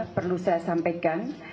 perlu saya sampaikan